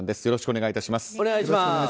よろしくお願いします。